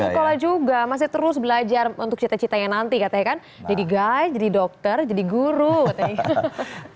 sekolah juga masih terus belajar untuk cita citanya nanti katanya kan jadi guy jadi dokter jadi guru katanya gitu